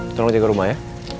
tolong jaga rumah ya